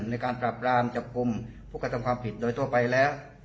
ในการสราบร้านจัดกลุ่มไผลธรรมความผิดโดยตัวไปแล้ว